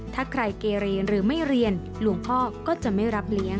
ถ้าใครเกเรหรือไม่เรียนหลวงพ่อก็จะไม่รับเลี้ยง